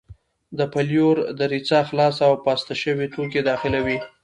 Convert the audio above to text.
د پلیور دریڅه خلاصه او پاسته شوي توکي داخلوي.